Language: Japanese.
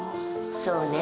そうね。